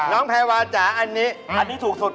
แพรวาจ๋าอันนี้อันนี้ถูกสุด